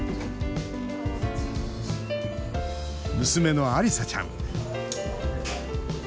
娘のアリサちゃん。